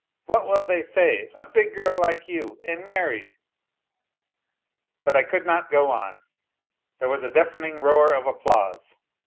... What will they say? ... A big girl like you ... and married !..." But I could not go on, there was a deafening roar of applause.